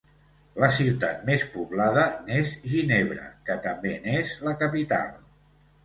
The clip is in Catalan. La ciutat més poblada n'és Ginebra, que també n'és la capital.